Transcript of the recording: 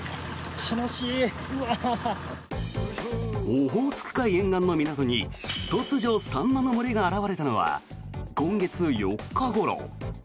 オホーツク海沿岸の港に突如サンマの群れが現れたのは今月４日ごろ。